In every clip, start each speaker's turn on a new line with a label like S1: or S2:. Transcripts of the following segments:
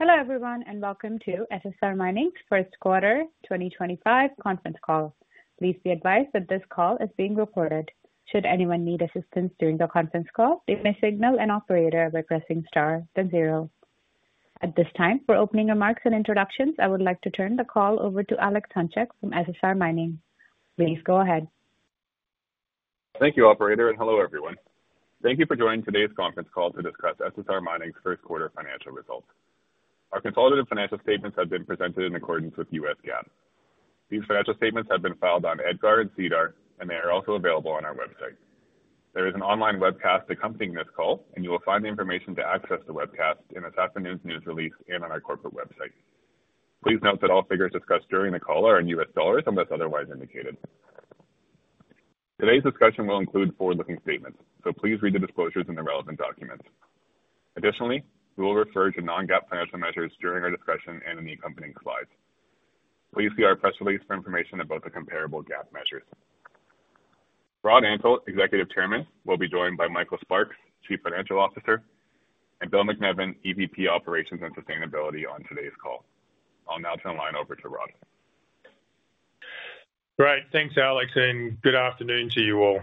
S1: Hello everyone and welcome to SSR Mining's first quarter 2025 conference call. Please be advised that this call is being recorded. Should anyone need assistance during the conference call, they may signal an operator by pressing star then zero. At this time, for opening remarks and introductions, I would like to turn the call over to Alex Hunchak from SSR Mining. Please go ahead.
S2: Thank you, Operator, and hello everyone. Thank you for joining today's conference call to discuss SSR Mining's first quarter financial results. Our consolidated financial statements have been presented in accordance with US GAAP. These financial statements have been filed on EDGAR and SEDAR, and they are also available on our website. There is an online webcast accompanying this call, and you will find the information to access the webcast in this afternoon's news release and on our corporate website. Please note that all figures discussed during the call are in US dollars unless otherwise indicated. Today's discussion will include forward-looking statements, so please read the disclosures and the relevant documents. Additionally, we will refer to non-GAAP financial measures during our discussion and in the accompanying slides. Please see our press release for information about the comparable GAAP measures. Rod Antal, Executive Chairman, will be joined by Michael Sparks, Chief Financial Officer, and Bill MacNevin, EVP Operations and Sustainability, on today's call. I'll now turn the line over to Rod.
S3: Great, thanks Alex, and good afternoon to you all.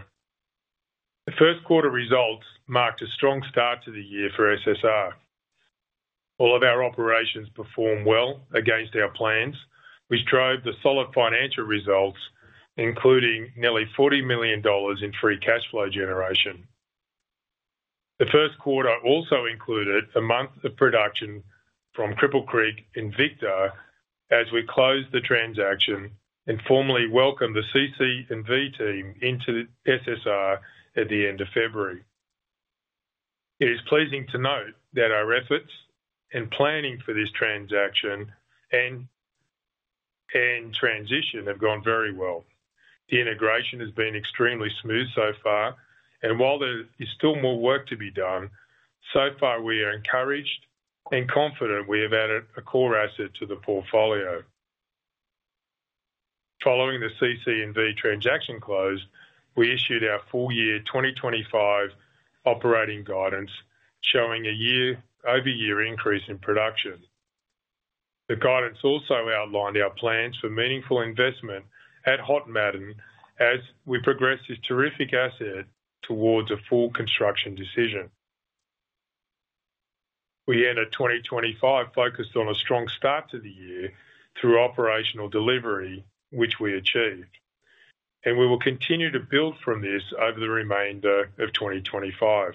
S3: The first quarter results marked a strong start to the year for SSR. All of our operations performed well against our plans, which drove the solid financial results, including nearly $40 million in free cash flow generation. The first quarter also included a month of production from Cripple Creek & Victor as we closed the transaction and formally welcomed the CC&V team into SSR at the end of February. It is pleasing to note that our efforts and planning for this transaction and transition have gone very well. The integration has been extremely smooth so far, and while there is still more work to be done, so far we are encouraged and confident we have added a core asset to the portfolio. Following the CC&V transaction close, we issued our full year 2025 operating guidance showing a year-over-year increase in production. The guidance also outlined our plans for meaningful investment at Hod Maden as we progress this terrific asset towards a full construction decision. We ended 2025 focused on a strong start to the year through operational delivery, which we achieved, and we will continue to build from this over the remainder of 2025.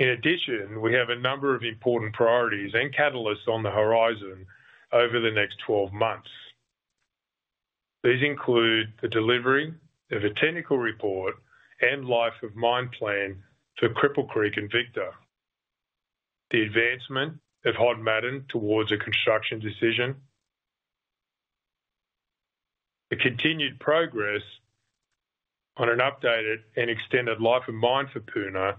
S3: In addition, we have a number of important priorities and catalysts on the horizon over the next 12 months. These include the delivery of a technical report and life-of-mine plan for Cripple Creek & Victor, the advancement of Hod Maden towards a construction decision, the continued progress on an updated and extended life-of-mine for Puna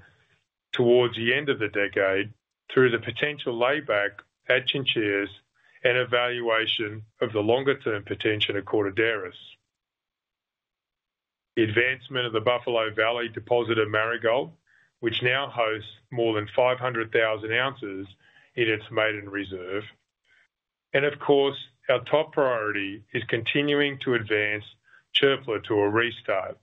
S3: towards the end of the decade through the potential layback at Chinchillas and evaluation of the longer-term potential at Cordaderos, the advancement of the Buffalo Valley deposit at Marigold, which now hosts more than 500,000 ounces in its Maiden Reserve, and of course, our top priority is continuing to advance Çöpler to a restart.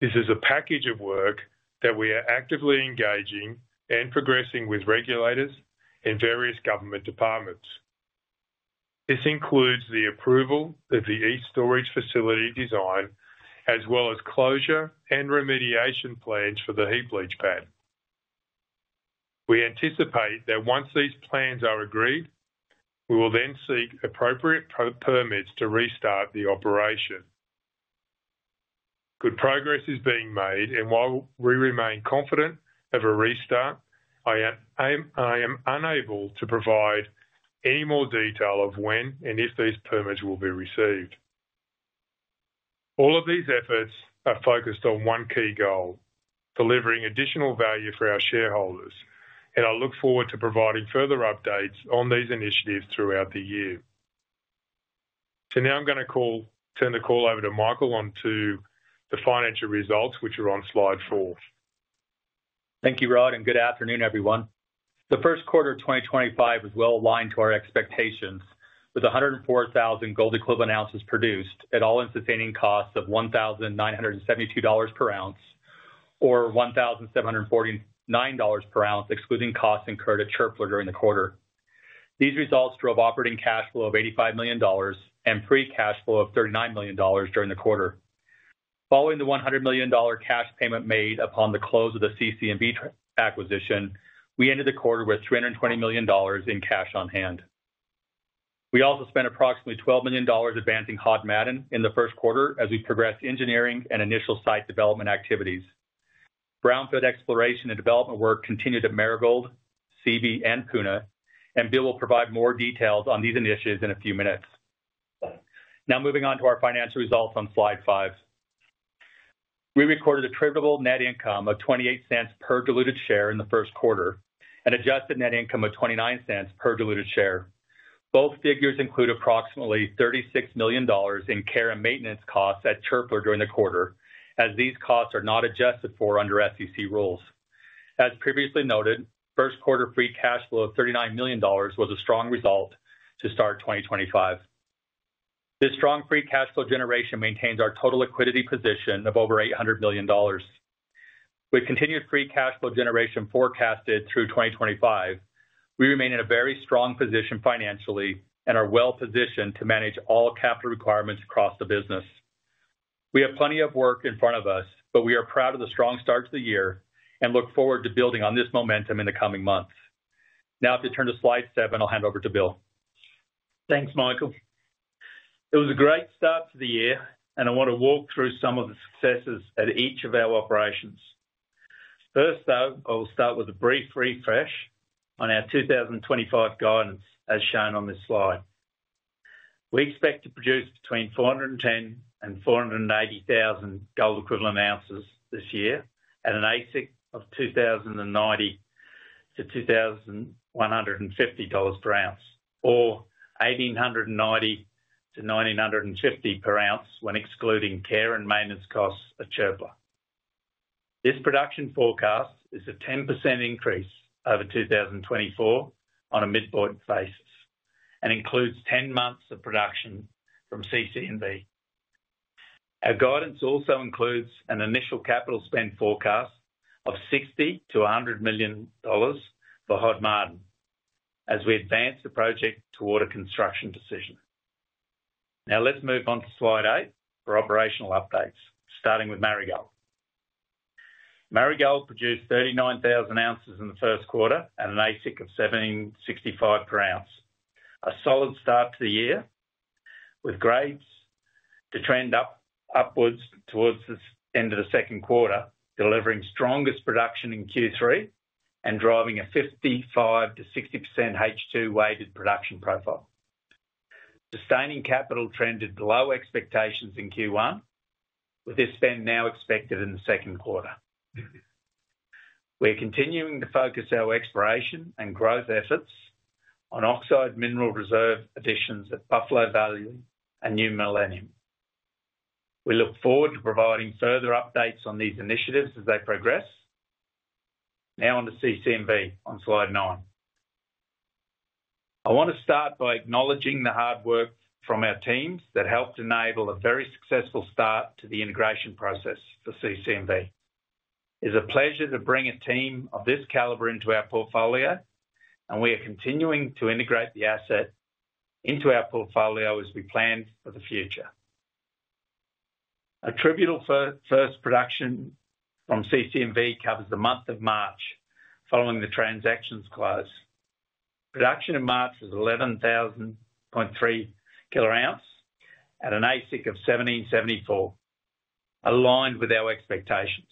S3: This is a package of work that we are actively engaging and progressing with regulators and various government departments. This includes the approval of the e-storage facility design, as well as closure and remediation plans for the heap leach pad. We anticipate that once these plans are agreed, we will then seek appropriate permits to restart the operation. Good progress is being made, and while we remain confident of a restart, I am unable to provide any more detail of when and if these permits will be received. All of these efforts are focused on one key goal, delivering additional value for our shareholders, and I look forward to providing further updates on these initiatives throughout the year. I am going to turn the call over to Michael onto the financial results, which are on Slide Four.
S4: Thank you, Rod, and good afternoon, everyone. The first quarter of 2025 was well aligned to our expectations, with 104,000 gold equivalent ounces produced at all-in sustaining costs of $1,972 per ounce or $1,749 per ounce excluding costs incurred at Çöpler during the quarter. These results drove operating cash flow of $85 million and free cash flow of $39 million during the quarter. Following the $100 million cash payment made upon the close of the CC&V acquisition, we ended the quarter with $320 million in cash on hand. We also spent approximately $12 million advancing Hod Maden in the first quarter as we progressed engineering and initial site development activities. Brownfield exploration and development work continued at Marigold, CC&V, and Puna, and Bill will provide more details on these initiatives in a few minutes. Now moving on to our financial results on Slide Five. We recorded a trivial net income of $0.28 per diluted share in the first quarter and adjusted net income of $0.29 per diluted share. Both figures include approximately $36 million in care and maintenance costs at Çöpler during the quarter, as these costs are not adjusted for under SEC rules. As previously noted, first quarter free cash flow of $39 million was a strong result to start 2025. This strong free cash flow generation maintains our total liquidity position of over $800 million. With continued free cash flow generation forecasted through 2025, we remain in a very strong position financially and are well positioned to manage all capital requirements across the business. We have plenty of work in front of us, but we are proud of the strong start to the year and look forward to building on this momentum in the coming months. Now, if you turn to Slide Seven, I'll hand over to Bill.
S5: Thanks, Michael. It was a great start to the year, and I want to walk through some of the successes at each of our operations. First, though, I will start with a brief refresh on our 2025 guidance as shown on this slide. We expect to produce between 410,000 and 480,000 gold equivalent ounces this year at an AISC of $2,090-$2,150 per ounce, or $1,890-$1,950 per ounce when excluding care and maintenance costs at Çöpler. This production forecast is a 10% increase over 2024 on a midpoint basis and includes 10 months of production from CC&V. Our guidance also includes an initial capital spend forecast of $60 million-$100 million for Hod Maden as we advance the project toward a construction decision. Now let's move on to Slide Eight for operational updates, starting with Marigold. Marigold produced 39,000 ounces in the first quarter at an AISC of $765 per ounce, a solid start to the year with grades to trend upwards towards the end of the second quarter, delivering strongest production in Q3 and driving a 55%-60% H2 weighted production profile. Sustaining capital trended below expectations in Q1, with this spend now expected in the second quarter. We are continuing to focus our exploration and growth efforts on oxide mineral reserve additions at Buffalo Valley and New Millennium. We look forward to providing further updates on these initiatives as they progress. Now on to CC&V on Slide Nine. I want to start by acknowledging the hard work from our teams that helped enable a very successful start to the integration process for CC&V. It is a pleasure to bring a team of this caliber into our portfolio, and we are continuing to integrate the asset into our portfolio as we plan for the future. A trivial first production from CC&V covers the month of March following the transaction's close. Production in March was 11,000.3 ounces at an AISC of $1,774, aligned with our expectations.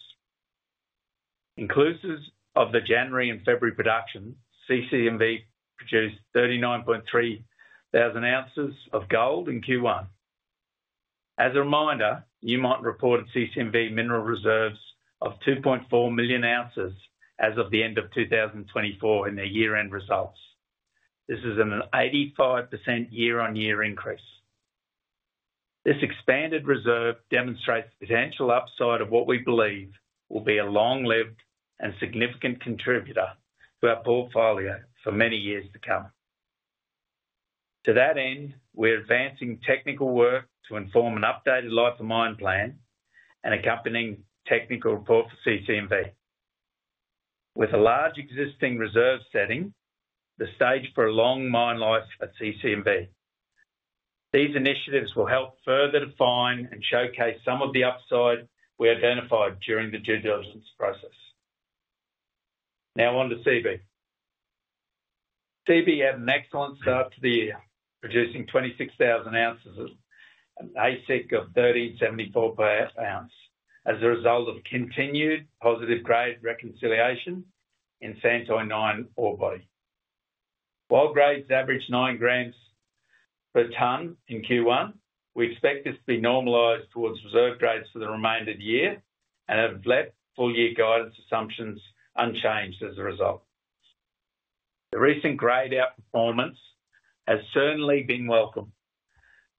S5: Inclusive of the January and February production, CC&V produced 39.3 thousand ounces of gold in Q1. As a reminder, you might report CC&V mineral reserves of 2.4 million ounces as of the end of 2024 in their year-end results. This is an 85% year-on-year increase. This expanded reserve demonstrates the potential upside of what we believe will be a long-lived and significant contributor to our portfolio for many years to come. To that end, we're advancing technical work to inform an updated life-of-mine plan and accompanying technical report for CC&V. With a large existing reserve, setting the stage for a long mine life at CC&V. These initiatives will help further define and showcase some of the upside we identified during the due diligence process. Now on to Seabee. Seabee had an excellent start to the year, producing 26,000 ounces at an AISC of $1,374 per ounce as a result of continued positive grade reconciliation in the Santoy 9 ore body. While grades averaged 9 grams per ton in Q1, we expect this to be normalized towards reserve grades for the remainder of the year and have left full year guidance assumptions unchanged as a result. The recent grade outperformance has certainly been welcome.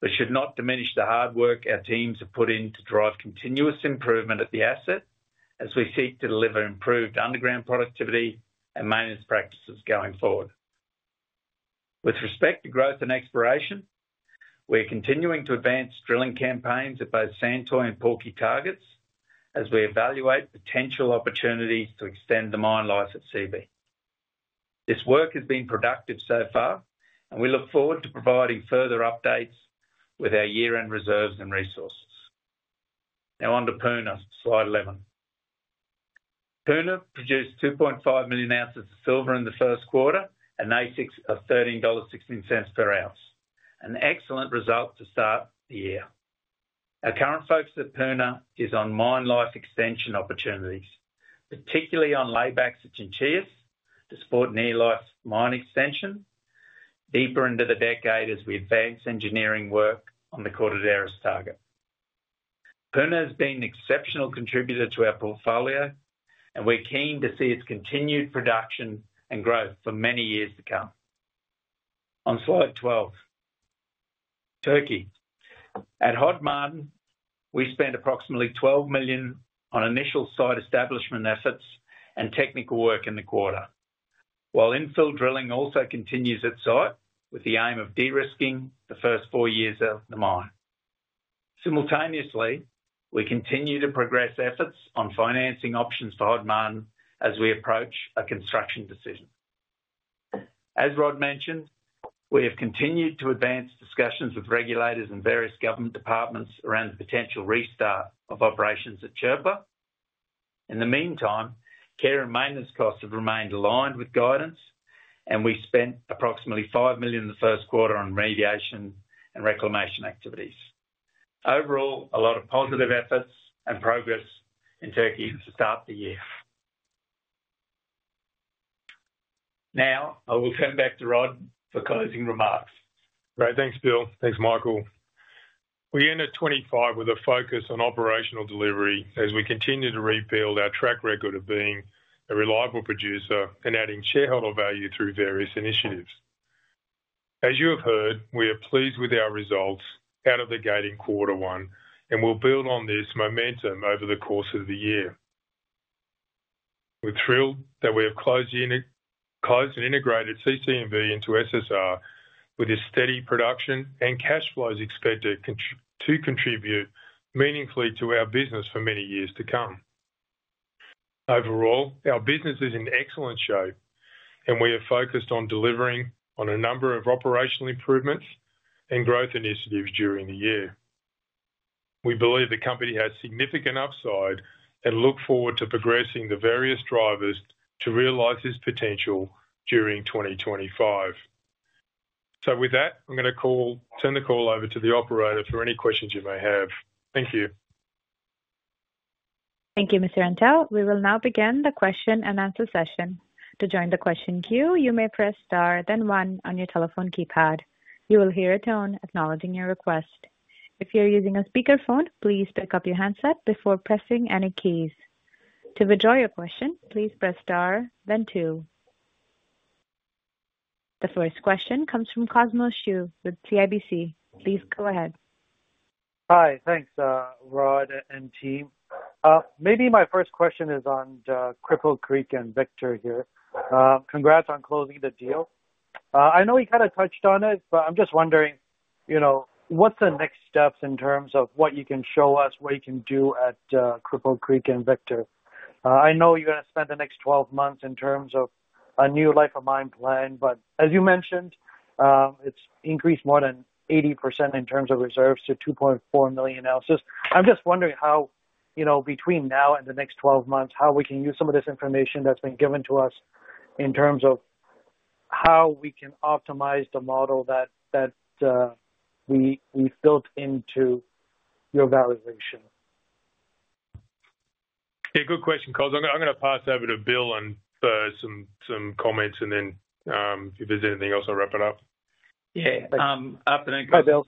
S5: We should not diminish the hard work our teams have put in to drive continuous improvement at the asset as we seek to deliver improved underground productivity and maintenance practices going forward. With respect to growth and exploration, we are continuing to advance drilling campaigns at both Santoy and Porky targets as we evaluate potential opportunities to extend the mine life at CB. This work has been productive so far, and we look forward to providing further updates with our year-end reserves and resources. Now on to Puna, Slide 11. Puna produced 2.5 million ounces of silver in the first quarter at an AISC of $13.16 per ounce, an excellent result to start the year. Our current focus at Puna is on mine life extension opportunities, particularly on layback at Chinchillas to support near-life mine extension deeper into the decade as we advance engineering work on the Cordaderos target. Puna has been an exceptional contributor to our portfolio, and we're keen to see its continued production and growth for many years to come. On Slide 12, Turkey. At Hod Maden, we spent approximately $12 million on initial site establishment efforts and technical work in the quarter, while infill drilling also continues at site with the aim of de-risking the first four years of the mine. Simultaneously, we continue to progress efforts on financing options for Hod Maden as we approach a construction decision. As Rod mentioned, we have continued to advance discussions with regulators and various government departments around the potential restart of operations at Çöpler. In the meantime, care and maintenance costs have remained aligned with guidance, and we spent approximately $5 million in the first quarter on remediation and reclamation activities. Overall, a lot of positive efforts and progress in Turkey to start the year. Now I will turn back to Rod for closing remarks.
S3: Right, thanks, Bill. Thanks, Michael. We ended 2025 with a focus on operational delivery as we continue to rebuild our track record of being a reliable producer and adding shareholder value through various initiatives. As you have heard, we are pleased with our results out of the gating quarter one, and we'll build on this momentum over the course of the year. We're thrilled that we have closed and integrated CC&V into SSR, with this steady production and cash flows expected to contribute meaningfully to our business for many years to come. Overall, our business is in excellent shape, and we are focused on delivering on a number of operational improvements and growth initiatives during the year. We believe the company has significant upside and look forward to progressing the various drivers to realize this potential during 2025. With that, I'm going to turn the call over to the operator for any questions you may have. Thank you.
S1: Thank you, Mr. Antal. We will now begin the question and answer session. To join the question queue, you may press star, then one on your telephone keypad. You will hear a tone acknowledging your request. If you're using a speakerphone, please pick up your handset before pressing any keys. To withdraw your question, please press star, then two. The first question comes from Cosmo Xu with CIBC. Please go ahead.
S6: Hi, thanks, Rod and team. Maybe my first question is on Cripple Creek & Victor here. Congrats on closing the deal. I know we kind of touched on it, but I'm just wondering, you know, what's the next steps in terms of what you can show us, what you can do at Cripple Creek & Victor? I know you're going to spend the next 12 months in terms of a new life-of-mine plan, but as you mentioned, it's increased more than 80% in terms of reserves to 2.4 million ounces. I'm just wondering how, you know, between now and the next 12 months, how we can use some of this information that's been given to us in terms of how we can optimize the model that we've built into your valuation.
S3: Yeah, good question, Cosmo. I'm going to pass over to Bill for some comments, and then if there's anything else, I'll wrap it up.
S5: Yeah, after that
S6: Hi, Bill.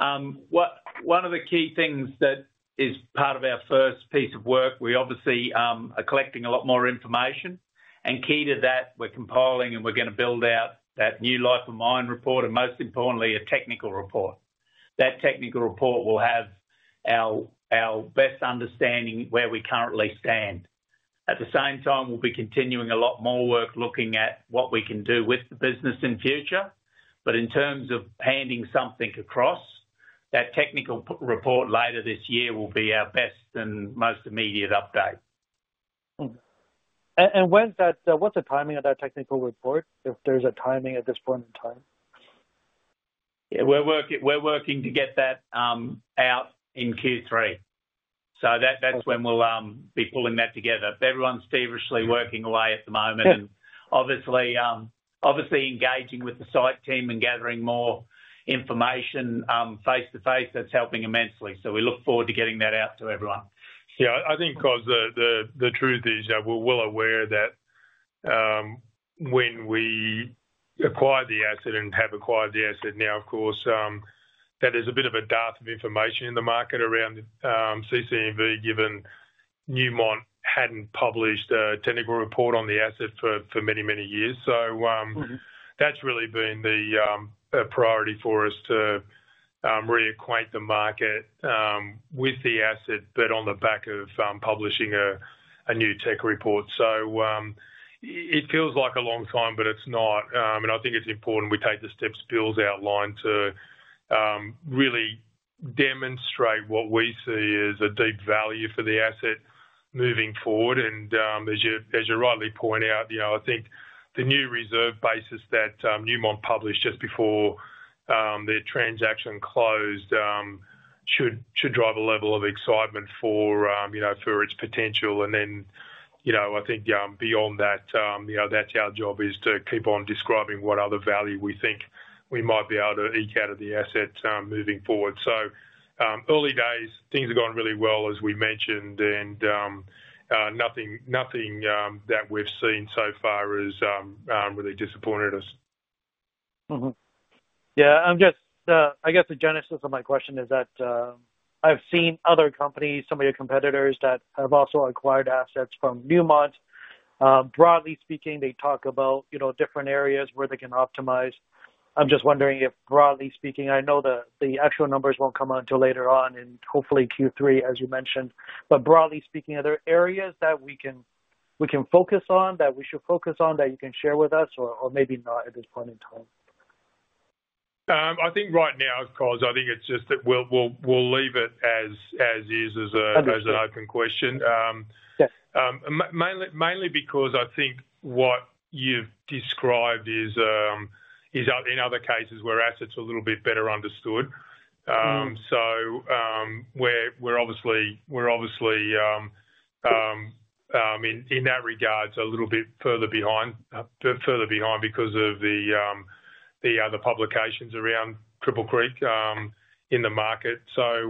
S5: One of the key things that is part of our first piece of work, we obviously are collecting a lot more information. Key to that, we're compiling and we're going to build out that new life-of-mine report, and most importantly, a technical report. That technical report will have our best understanding where we currently stand. At the same time, we'll be continuing a lot more work looking at what we can do with the business in the future. In terms of handing something across, that technical report later this year will be our best and most immediate update.
S6: When's that? What's the timing of that technical report? If there's a timing at this point in time?
S5: Yeah, we're working to get that out in Q3. That is when we'll be pulling that together. Everyone's feverishly working away at the moment and obviously engaging with the site team and gathering more information face to face. That is helping immensely. We look forward to getting that out to everyone.
S3: Yeah, I think, Cosmo, the truth is we're well aware that when we acquired the asset and have acquired the asset now, of course, that there's a bit of a dearth of information in the market around CC&V, given Newmont hadn't published a technical report on the asset for many, many years. That's really been the priority for us to reacquaint the market with the asset, but on the back of publishing a new tech report. It feels like a long time, but it's not. I think it's important we take the steps Bill's outlined to really demonstrate what we see as a deep value for the asset moving forward. As you rightly point out, you know, I think the new reserve basis that Newmont published just before their transaction closed should drive a level of excitement for its potential. I think beyond that, you know, that's our job is to keep on describing what other value we think we might be able to eke out of the asset moving forward. Early days, things have gone really well, as we mentioned, and nothing that we've seen so far has really disappointed us.
S6: Yeah, I'm just, I guess the genesis of my question is that I've seen other companies, some of your competitors that have also acquired assets from Newmont. Broadly speaking, they talk about different areas where they can optimize. I'm just wondering if, broadly speaking, I know the actual numbers won't come out until later on in hopefully Q3, as you mentioned, but broadly speaking, are there areas that we can focus on, that we should focus on, that you can share with us, or maybe not at this point in time?
S3: I think right now, of course, I think it's just that we'll leave it as is as an open question.
S6: Understood.
S3: Mainly because I think what you've described is in other cases where assets are a little bit better understood. We're obviously in that regard a little bit further behind because of the other publications around Cripple Creek in the market. We're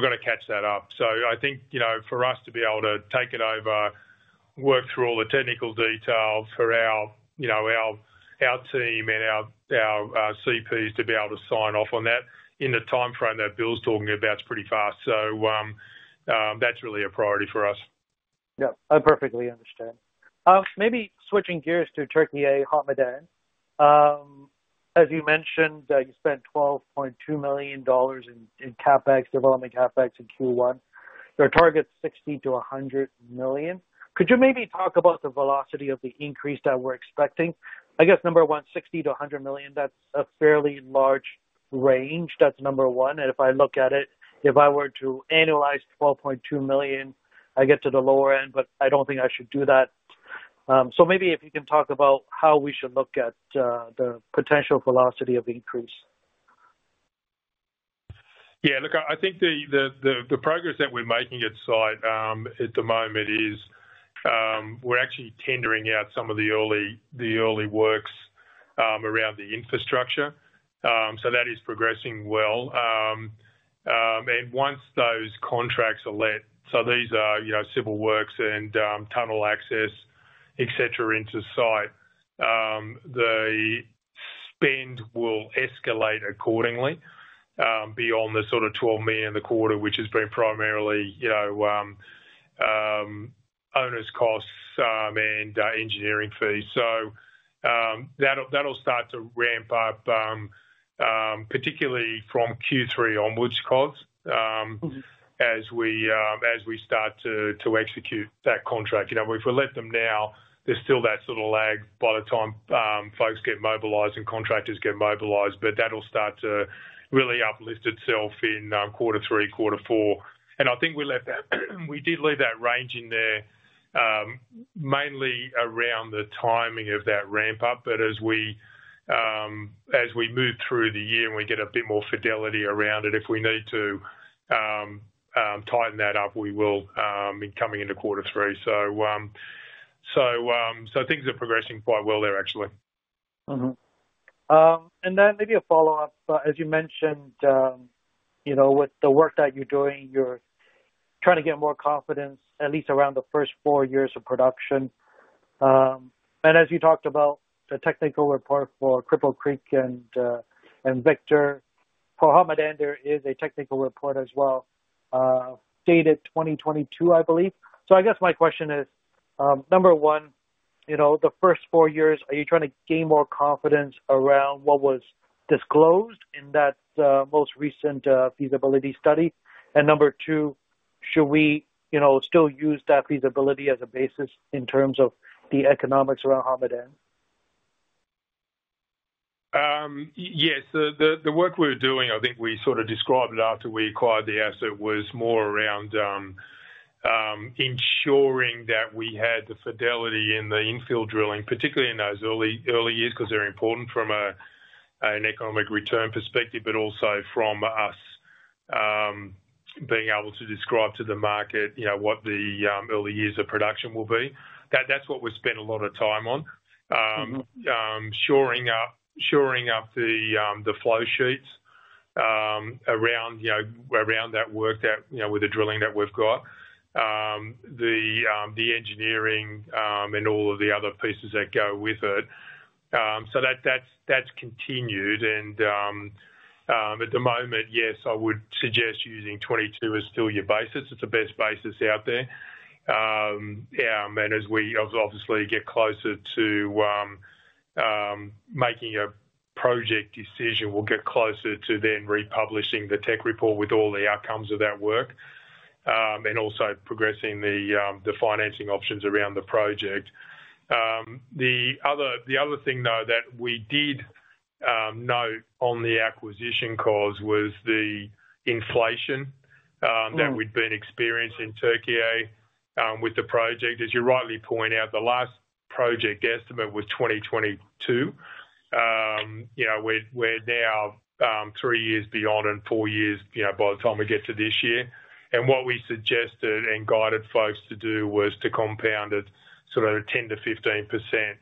S3: going to catch that up. I think, you know, for us to be able to take it over, work through all the technical detail for our team and our CPs to be able to sign off on that in the timeframe that Bill's talking about, it's pretty fast. That's really a priority for us.
S6: Yeah, I perfectly understand. Maybe switching gears to Turkey, Hod Maden. As you mentioned, you spent $12.2 million in development CapEx in Q1. Your target's $60 million-$100 million. Could you maybe talk about the velocity of the increase that we're expecting? I guess number one, $60 million-$100 million, that's a fairly large range. That's number one. If I look at it, if I were to annualize $12.2 million, I get to the lower end, but I don't think I should do that. Maybe if you can talk about how we should look at the potential velocity of increase.
S3: Yeah, look, I think the progress that we're making at site at the moment is we're actually tendering out some of the early works around the infrastructure. That is progressing well. Once those contracts are let, these are civil works and tunnel access, et cetera, into site, the spend will escalate accordingly beyond the sort of $12 million in the quarter, which has been primarily owners' costs and engineering fees. That'll start to ramp up, particularly from Q3 onwards, Cosmo, as we start to execute that contract. You know, if we let them now, there's still that sort of lag by the time folks get mobilized and contractors get mobilized, but that'll start to really uplift itself in quarter three, quarter four. I think we did leave that range in there mainly around the timing of that ramp up, but as we move through the year and we get a bit more fidelity around it, if we need to tighten that up, we will be coming into quarter three. Things are progressing quite well there, actually.
S6: Maybe a follow-up. As you mentioned, you know, with the work that you're doing, you're trying to get more confidence, at least around the first four years of production. As you talked about the technical report for Cripple Creek & Victor, for Hod Maden, there is a technical report as well dated 2022, I believe. I guess my question is, number one, you know, the first four years, are you trying to gain more confidence around what was disclosed in that most recent feasibility study? Number two, should we still use that feasibility as a basis in terms of the economics around Hod Maden?
S3: Yes. The work we're doing, I think we sort of described it after we acquired the asset, was more around ensuring that we had the fidelity in the infill drilling, particularly in those early years because they're important from an economic return perspective, but also from us being able to describe to the market, you know, what the early years of production will be. That's what we spent a lot of time on, shoring up the flow sheets around that work with the drilling that we've got, the engineering, and all of the other pieces that go with it. That has continued. At the moment, yes, I would suggest using 2022 as still your basis. It's the best basis out there. As we obviously get closer to making a project decision, we'll get closer to then republishing the tech report with all the outcomes of that work and also progressing the financing options around the project. The other thing, though, that we did note on the acquisition, Cosmo, was the inflation that we'd been experiencing in Turkey with the project. As you rightly point out, the last project estimate was 2022. You know, we're now three years beyond and four years by the time we get to this year. What we suggested and guided folks to do was to compound it at sort of a 10%-15%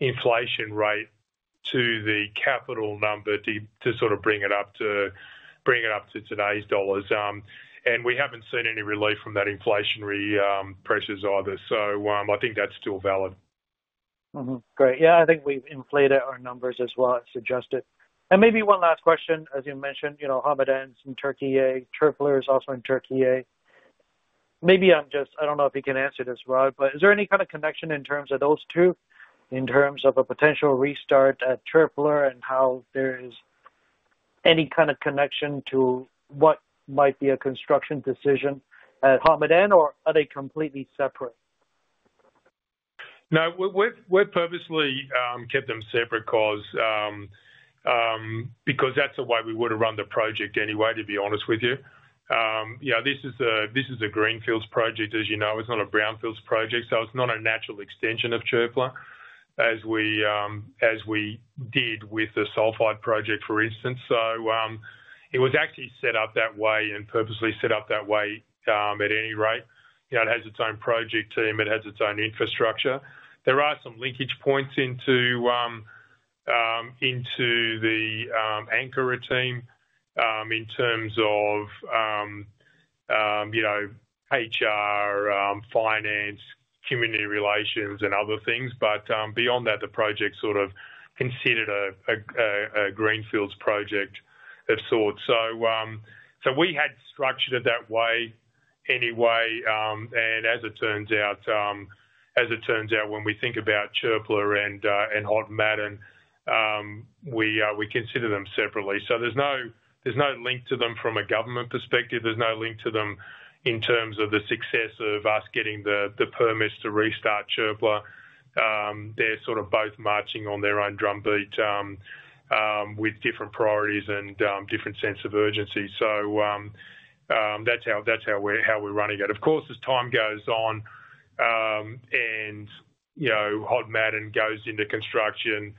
S3: inflation rate to the capital number to bring it up to today's dollars. We haven't seen any relief from that inflationary pressure either. I think that's still valid.
S6: Great. Yeah, I think we've inflated our numbers as well as suggested. Maybe one last question, as you mentioned, you know, Hod Maden's in Turkey, Çöpler is also in Turkey. Maybe I'm just, I don't know if you can answer this, Rod, but is there any kind of connection in terms of those two in terms of a potential restart at Çöpler and how there is any kind of connection to what might be a construction decision at Hod Maden, or are they completely separate?
S3: No, we've purposely kept them separate because that's the way we would have run the project anyway, to be honest with you. You know, this is a greenfields project, as you know. It's not a brownfields project. It's not a natural extension of Çöpler as we did with the sulfide project, for instance. It was actually set up that way and purposely set up that way at any rate. You know, it has its own project team. It has its own infrastructure. There are some linkage points into the anchor routine in terms of, you know, HR, finance, community relations, and other things. Beyond that, the project's sort of considered a Greenfields project of sorts. We had structured it that way anyway. As it turns out, when we think about Çöpler and Hod Maden, we consider them separately. There's no link to them from a government perspective. There's no link to them in terms of the success of us getting the permits to restart Çöpler. They're sort of both marching on their own drumbeat with different priorities and different sense of urgency. That's how we're running it. Of course, as time goes on and Hod Maden goes into construction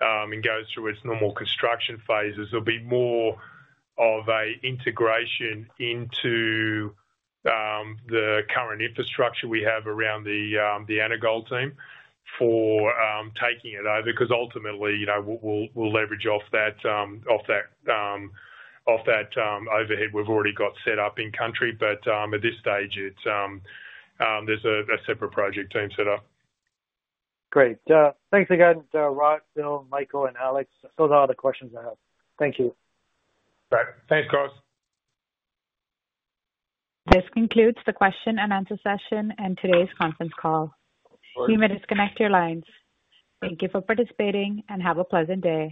S3: and goes through its normal construction phases, there'll be more of an integration into the current infrastructure we have around the Anagol team for taking it over because ultimately, you know, we'll leverage off that overhead we've already got set up in country. At this stage, there's a separate project team set up.
S6: Great. Thanks again, Rod, Bill, Michael, and Alex. Those are all the questions I have. Thank you.
S3: Thanks, Cosmo.
S1: This concludes the question and answer session and today's conference call. You may disconnect your lines. Thank you for participating and have a pleasant day.